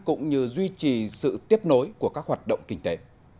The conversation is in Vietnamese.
cũng như duy trì sự tiếp nối của các hoạt động kinh tế